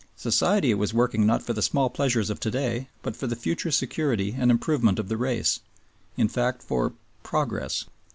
Society was working not for the small pleasures of to day but for the future security and improvement of the race, in fact for "progress."